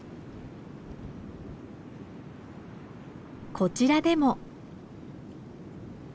こちらでも。